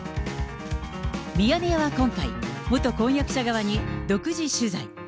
ミヤネ屋は今回、元婚約者側に独自取材。